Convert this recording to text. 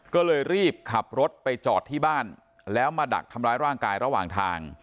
ก็เลยรีบขับรถไปจอดที่บ้านแล้วมาดักทำร้ายร่างกายระหว่างทาง